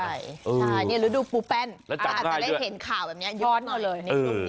ใช่นี่หรือดูปูแป้นอาจจะได้เห็นข่าวแบบนี้ย้อนก็เลย